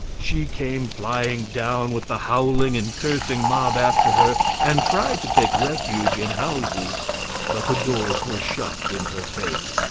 She came flying down, with the howling and cursing mob after her, and tried to take refuge in houses, but the doors were shut in her face.